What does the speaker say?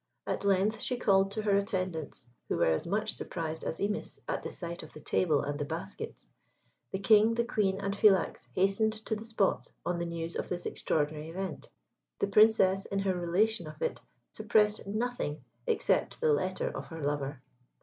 At length she called to her attendants, who were as much surprised as Imis at the sight of the table and the baskets. The King, the Queen, and Philax hastened to the spot on the news of this extraordinary event. The Princess, in her relation of it, suppressed nothing except the letter of her lover.